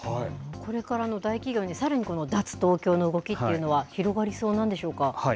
これからの大企業にさらにこの脱東京の動きというのは広がりそうなんでしょうか？